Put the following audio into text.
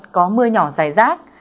có mưa nhỏ rải rác